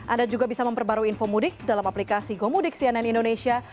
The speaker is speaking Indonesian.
anda juga bisa memperbarui info mudik dalam aplikasi gomudik cnn indonesia